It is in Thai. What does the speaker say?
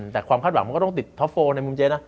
แต่ความคาดหวังมันก็ต้องติดท็อปโฟลในมุมเจ๊นะ